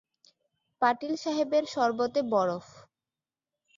পাটিল সাহেবের শরবতে বরফ।